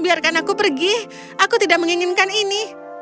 aku mau pergi aku tidak inginkan ini